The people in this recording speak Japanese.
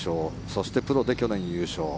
そして、プロで去年優勝。